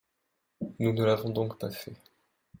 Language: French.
Nous ne l’avons donc pas fait.